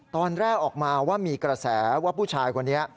ตอนแรกออกมาว่ามีกระแสว่าผู้ชายคนนี้